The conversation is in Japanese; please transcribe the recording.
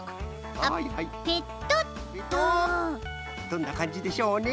どんなかんじでしょうね？